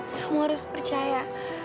kamu harus percaya